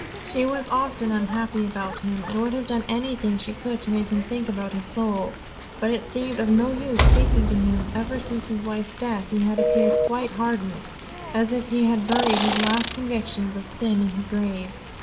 She was often unhappy about him, and would have done anything she could to make him think about his soul. But it seemed of no use speaking to him; ever since his wife's death he had appeared quite hardened, as if he had buried his last convictions of sin in her grave.